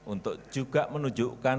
untuk juga menunjukkan